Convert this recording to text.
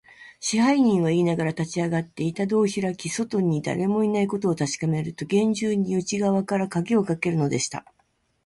支配人はいいながら、立ちあがって、板戸をひらき、外にだれもいないことをたしかめると、げんじゅうに内がわからかぎをかけるのでした。